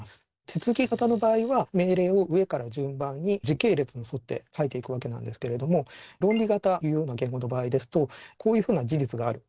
手続き型の場合は命令を上から順番に時系列に沿って書いていくわけなんですけれども論理型いうような言語の場合ですとこういうふうな事実がある。